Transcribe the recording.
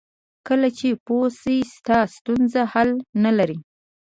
کله چې پوه شې ستا ستونزه حل نه لري.